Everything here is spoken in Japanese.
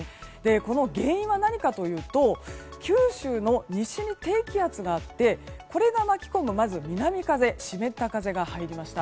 原因は何かというと九州の西に低気圧があってこれが巻き込む南風湿った風が入りました。